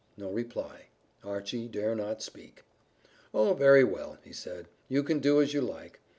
No reply; Archy dare not speak. "Oh, very well," he said, "you can do as you like.